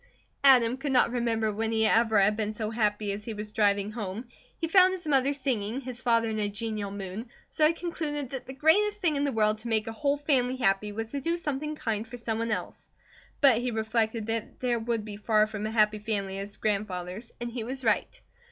Adam could not remember when he ever had been so happy as he was driving home. He found his mother singing, his father in a genial mood, so he concluded that the greatest thing in the world to make a whole family happy was to do something kind for someone else. But he reflected that there would be far from a happy family at his grandfather's; and he was right.